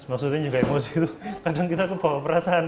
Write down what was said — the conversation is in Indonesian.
maksudnya juga emosi itu kadang kita kebawa perasaan